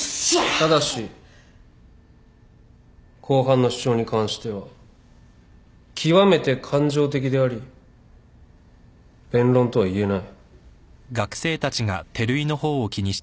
ただし後半の主張に関しては極めて感情的であり弁論とはいえない。